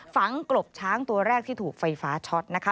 กลบช้างตัวแรกที่ถูกไฟฟ้าช็อตนะคะ